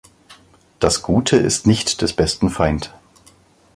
Das Gute ist nicht des Besten Feind.